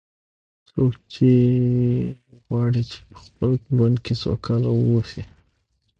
څوک غواړي چې په خپل ژوند کې سوکاله و اوسي